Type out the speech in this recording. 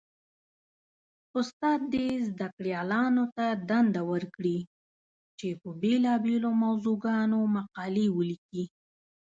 استاد دې زده کړيالانو ته دنده ورکړي؛ چې په بېلابېلو موضوعګانو مقالې وليکي.